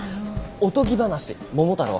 おとぎ話「桃太郎」。